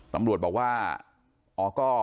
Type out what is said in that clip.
ตำรวจบอกว่าอ๋อก็